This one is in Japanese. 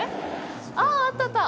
ああ、あったあった。